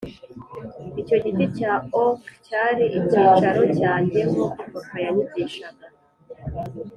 icyo giti cya oak cyari "icyicaro cyanjye" nkuko papa yanyigishaga,